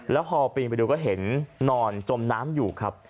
แล้วพอปีนไปดูก็เห็นนอนจมน้ำอยู่ครับ